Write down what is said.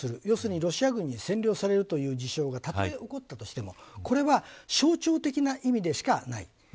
要するにロシア軍に占領されるという事象がたとえ起こってもこれは象徴的な意味でしかない。